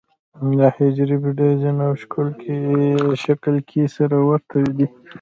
دا حجرې په ډیزاین او شکل کې سره ورته دي.